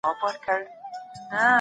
د بشر ټول غړي يو بل ته اړتيا لري.